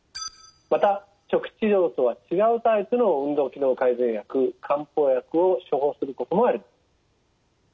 また初期治療とは違うタイプの運動機能改善薬・漢方薬を処方することもある。